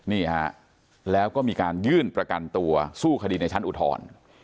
นี่ฮะแล้วก็มีการยื่นประกันตัวสู้คดีในชั้นอุทธรณ์